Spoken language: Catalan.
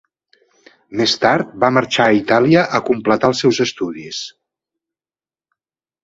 Més tard va marxar a Itàlia a completar els seus estudis.